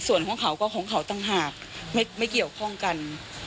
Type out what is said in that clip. ส่วนของเขาก็ของเขาต่างหากไม่เกี่ยวข้องกัน